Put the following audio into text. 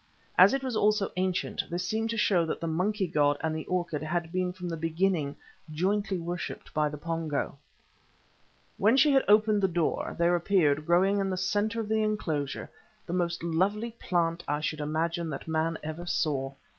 As it was also ancient, this seemed to show that the monkey god and the orchid had been from the beginning jointly worshipped by the Pongo. When she had opened the door, there appeared, growing in the centre of the enclosure, the most lovely plant, I should imagine, that man ever saw.